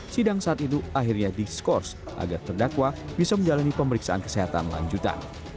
sidang saat itu akhirnya diskors agar terdakwa bisa menjalani pemeriksaan kesehatan lanjutan